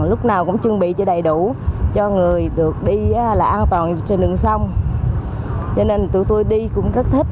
lúc nào cũng chuẩn bị cho đầy đủ cho người được đi là an toàn trên đường sông cho nên tụi tôi đi cũng rất thích